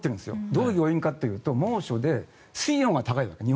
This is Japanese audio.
どういう余韻かというと猛暑で水温が高いわけです。